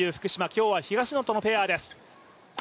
今日は東野とのペアです。